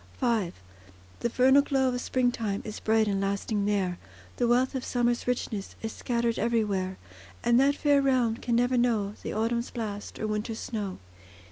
V The vernal glow of springtime Is bright and lasting there, The wealth of summer's richness Is scattered everywhere; And that fair realm can never know The autumn's blast or winter's snow.